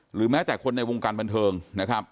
หรือแม้แต่คนในวงการบันเทิงนะครับ